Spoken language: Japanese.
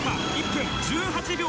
１分１８秒１０。